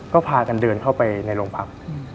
ก็พากันเดินเข้าไปในโรงพัก